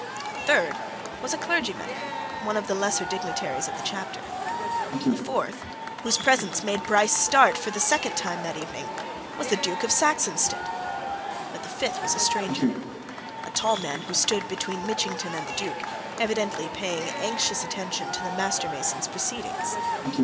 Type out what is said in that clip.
A third was a clergyman one of the lesser dignitaries of the Chapter. A fourth whose presence made Bryce start for the second time that evening was the Duke of Saxonsteade. But the fifth was a stranger a tall man who stood between Mitchington and the Duke, evidently paying anxious attention to the master mason's proceedings.